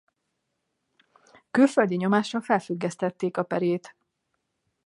Külföldi nyomásra felfüggesztették a perét.